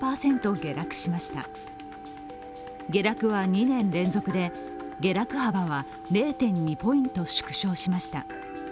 下落は２年連続で、下落幅は０．２ポイント縮小しました。